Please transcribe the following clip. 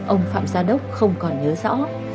ông phạm gia đốc không còn nhớ rõ